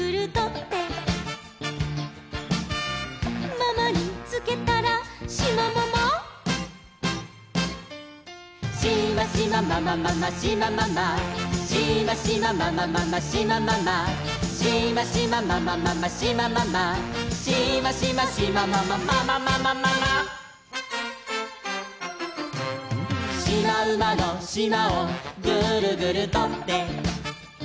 「ママにつけたらシマママ」「シマシマママママシマママ」「シマシマママママシマママ」「シマシマママママシマママ」「シマシマシマママママママママ」「しまうまのしまをグルグルとって」